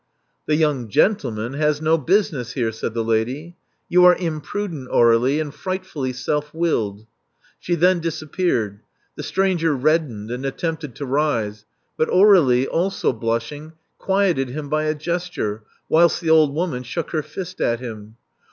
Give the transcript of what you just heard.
The young gentleman has no business here," said the lady. You are imprudent, Aur61ie, and fright fully self willed." She then disappeared. The stranger reddened and attempted to rise; but Aur^lie, also blushing, quieted him by a gesture, whilst the old woman shook her fist at him.